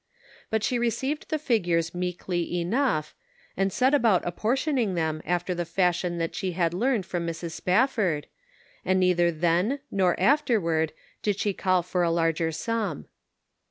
But she received the figures meekly enough, and set about apportioning them after the fashion that she had learned from Mrs. Spafford, arid neither then nor afterward did she call for a larger sum.